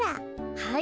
はい。